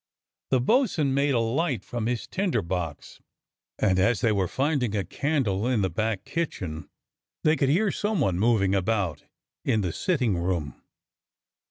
The bo'sun made a light from his tinder box, and as they were finding a candle in the back kitchen they could hear some one moving about in the sitting room.